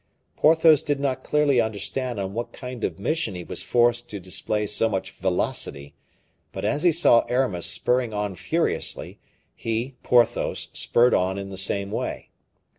Porthos did not clearly understand on what kind of mission he was forced to display so much velocity; but as he saw Aramis spurring on furiously, he, Porthos, spurred on in the same way.